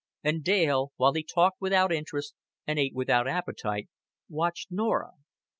And Dale, while he talked without interest and ate without appetite, watched Norah.